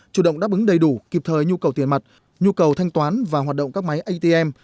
chủ động đáp ứng đầy đủ kịp thời nhu cầu tiền mặt nhu cầu thanh toán và hoạt động các máy atm